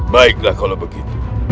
baiklah kalau begitu